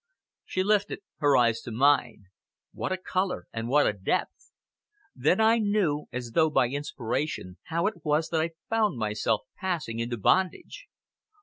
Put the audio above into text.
She lifted her eyes to mine. What a color! and what a depth. Then I knew, as though by inspiration, how it was that I found myself passing into bondage.